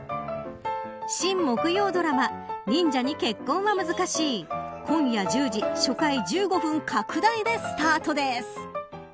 新木曜ドラマ忍者に結婚は難しい今夜１０時、初回１５分拡大でスタートです。